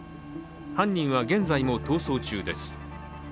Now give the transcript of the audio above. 犯人は現在も逃走中です。